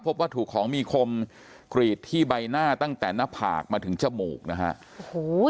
พบว่าถูกของมีคมกรีดที่ใบหน้าตั้งแต่หน้าผากมาถึงจมูกนะฮะโอ้โห